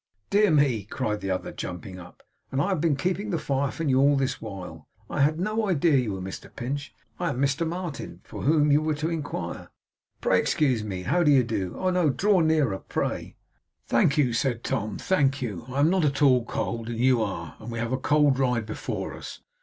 'Dear me!' cried the other, jumping up. 'And I have been keeping the fire from you all this while! I had no idea you were Mr Pinch. I am the Mr Martin for whom you were to inquire. Pray excuse me. How do you do? Oh, do draw nearer, pray!' 'Thank you,' said Tom, 'thank you. I am not at all cold, and you are; and we have a cold ride before us.